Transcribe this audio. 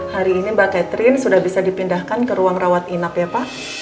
hari ini mbak catherine sudah bisa dipindahkan ke ruang rawat inap ya pak